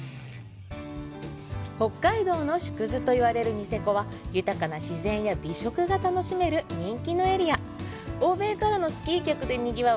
北海道の縮図といわれるニセコは豊かな自然や美食が楽しめる人気のエリア欧米からのスキー客でにぎわう